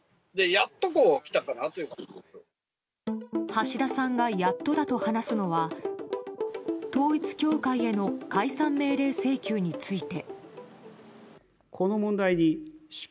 橋田さんがやっとだと話すのは統一教会への解散命令請求について。